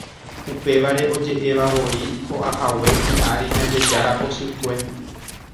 Upévare oje'evavoi ho'ahague hi'ári Ñandejára pochykue.